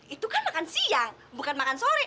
itu kan makan siang bukan makan sore